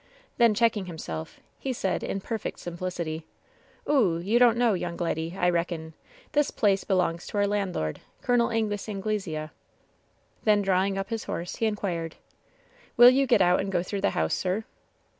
Then checking himself^ he said, in perfect simplicity : "Oo! you don't know, young leddy, I reckon— this place belongs to our landlord. Col. Angus Anglesea." Then drawing up his horse, he inquired : 'Will you get out and go through the house, sii??'